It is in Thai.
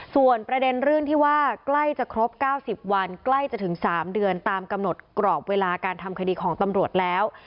ส่วนประเด็นเรื่องที่ว่าใกล้จะครบ๙๐วันใกล้จะถึง๓เดือนตามกำหนดกรอบเวลาการทำคดีของตำรวจแล้ว